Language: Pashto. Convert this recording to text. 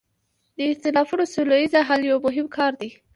د اختلافونو سوله ییز حل یو مهم کار دی.